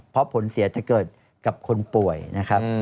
เพราะผลเสียจะเกิดกับคนป่วยนะครับ